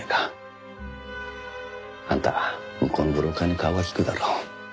あんた向こうのブローカーに顔が利くだろ。